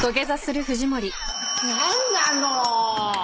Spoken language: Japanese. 何なの。